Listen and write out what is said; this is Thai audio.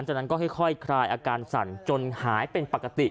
จากนั้นก็ค่อยคลายอาการสั่นจนหายเป็นปกติ